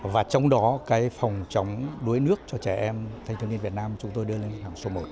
và trong đó cái phòng chống đuối nước cho trẻ em thanh thiếu niên việt nam chúng tôi đưa lên hàng số một